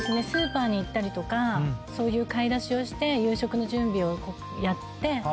スーパーに行ったりとかそういう買い出しをして夕食の準備をやって。